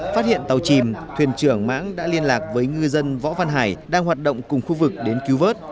phát hiện tàu chìm thuyền trưởng mãng đã liên lạc với ngư dân võ văn hải đang hoạt động cùng khu vực đến cứu vớt